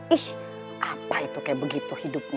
ish apa itu kayak begitu hidupnya